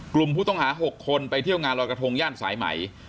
กลุ่มผู้ต้องหา๖คนไปเที่ยวงานรอยกระทงย่านสายไหม